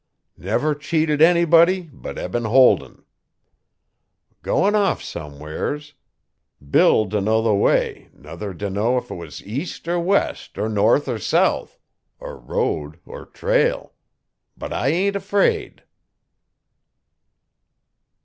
NEVER CHEATED ANYBODY BUT EBEN HOLDEN. GOIN' OFF SOMEWHERES, BILL DUNNO THE WAY NUTHER DUNNO 'F IT'S EAST ER WEST ER NORTH ER SOUTH, ER ROAD ER TRAIL; BUT I AIN'T AFRAID.